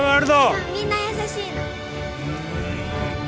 そうみんな優しいの。